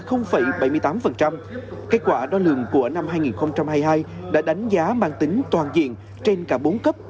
kết quả đo lường của năm hai nghìn hai mươi hai đã đánh giá mang tính toàn diện trên cả bốn cấp